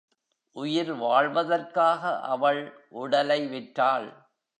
உயிர் வாழ்வதற்காக அவள் உடலை விற்றாள்.